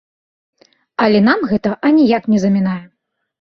Але нам гэта аніяк не замінае!